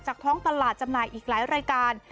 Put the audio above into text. ท้องตลาดจำหน่ายอีกหลายรายการ